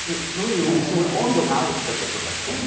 温度が合うということかしらね。